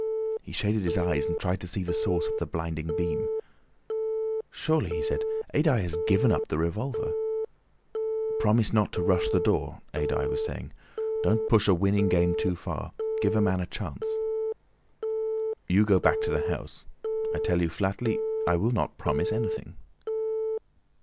He shaded his eyes and tried to see the source of the blinding beam. "Surely!" he said, "Adye has given up the revolver." "Promise not to rush the door," Adye was saying. "Don't push a winning game too far. Give a man a chance." "You go back to the house. I tell you flatly I will not promise anything."